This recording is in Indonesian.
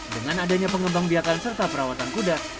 dengan adanya pengembang biakan serta perawatan kuda